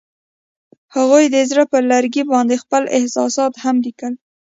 هغوی د زړه پر لرګي باندې خپل احساسات هم لیکل.